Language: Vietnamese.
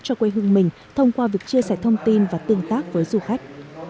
cho quê hương mình thông qua việc chia sẻ thông tin và tương tác với du khách